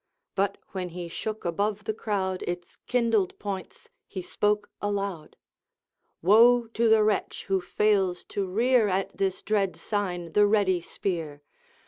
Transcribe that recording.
But when he shook above the crowd Its kindled points, he spoke aloud: 'Woe to the wretch who fails to rear At this dread sign the ready spear!